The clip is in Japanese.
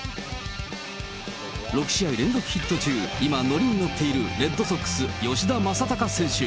６試合連続ヒット中、今、乗りに乗っているレッドソックス、吉田正尚選手。